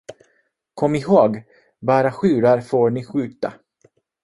Kom ihåg, bara tjurar får ni skjuta!